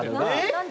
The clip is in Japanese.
何で？